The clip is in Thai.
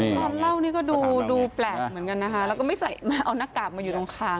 ตอนเล่านี่ก็ดูแปลกเหมือนกันนะคะแล้วก็ไม่ใส่เอาหน้ากากมาอยู่ตรงคาง